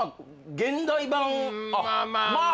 現代版まあ